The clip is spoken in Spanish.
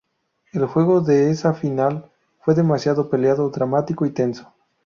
El juego de esa final fue demasiado peleado, dramático y tenso.